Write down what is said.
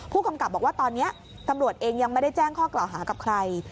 ผู้กำกับบอกว่าตอนนี้ตำรวจเองยังไม่ได้แจ้งข้อกล่าวหากับใคร